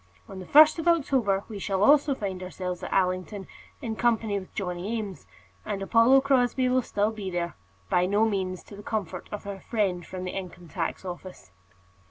On the first of October we shall also find ourselves at Allington in company with Johnny Eames; and Apollo Crosbie will still be there, by no means to the comfort of our friend from the Income tax Office.